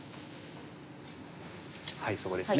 はいそこですね。